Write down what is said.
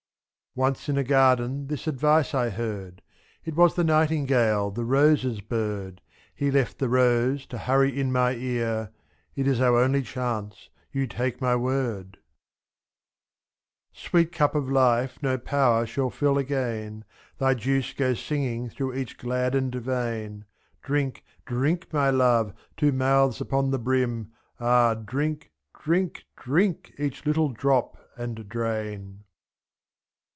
38 Once in a garden this advice I heard, It was the Nightingale, the Rose's bird, — 6*7. He left the Rose, to hurry in my ear :" It is our only chance, you take my word/* Sweet cup of life no power shall fill again. Thy juice goes singing through each gladdened vein — 5 jr. Drink, drink, my love, two mouths upon the brim. Ah ! drink, drink, drink, each little drop and drain.